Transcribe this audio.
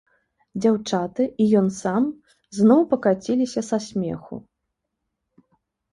Дзяўчаты і ён сам зноў пакаціліся са смеху.